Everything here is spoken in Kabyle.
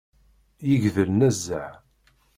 Yegdel nezzeh.